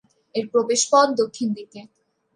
এর প্রবেশপথ দক্ষিণ দিকে।